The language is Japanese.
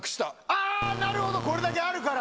あー、なるほど、これだけあるから。